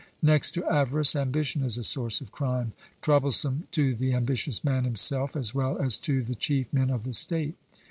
Next to avarice, ambition is a source of crime, troublesome to the ambitious man himself, as well as to the chief men of the state.